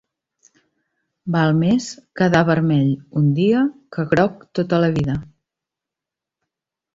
Val més quedar vermell un dia que groc tota la vida.